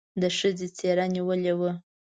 د ښځې څېره نېولې وه.